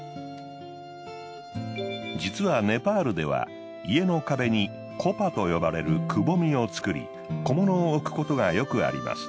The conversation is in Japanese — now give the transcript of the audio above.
実はネパールでは家の壁にコパと呼ばれる窪みを作り小物を置くことがよくあります。